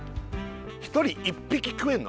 １人１匹食えんの？